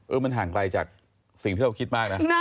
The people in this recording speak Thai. มันห่างไกลจากสิ่งที่เราคิดมากนะ